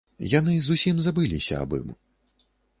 Яны зусім забыліся аб ім.